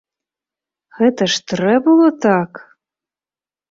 Гэта ж трэ было так?!.